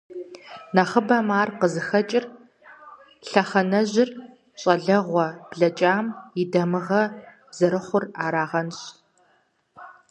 Нэхъыбэм ар къызыхэкӀыр лъэхъэнэжьыр щӀалэгъуэ блэкӀам и дамыгъэ зэрыхъур арагъэнщ.